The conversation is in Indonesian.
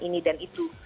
ini dan itu